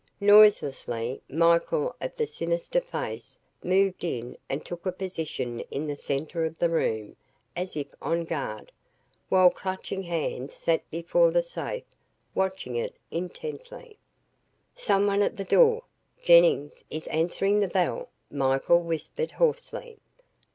Noiselessly Michael of the sinister face moved in and took a position in the center of the room, as if on guard, while Clutching Hand sat before the safe watching it intently. "Someone at the door Jennings is answering the bell," Michael whispered hoarsely.